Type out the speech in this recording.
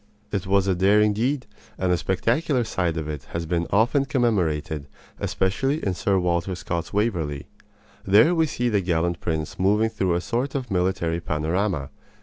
It was a daring deed, and the spectacular side of it has been often commemorated, especially in Sir Walter Scott's Waverley. There we see the gallant prince moving through a sort of military panorama.